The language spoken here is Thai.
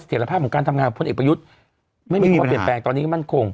รภาพของการทำงานของพลเอกประยุทธ์ไม่มีความเปลี่ยนแปลงตอนนี้ก็มั่นคง